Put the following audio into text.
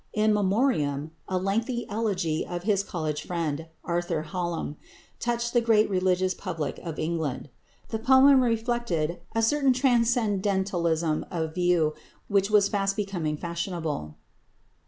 "In Memoriam," a lengthy elegy on his college friend, Arthur Hallam, touched the great religious public of England. The poem reflected a certain transcendentalism of view which was fast becoming fashionable.